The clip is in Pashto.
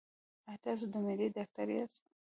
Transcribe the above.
ایا تاسو د معدې ډاکټر یاست؟